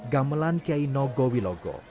gamelan kiai nogowi logo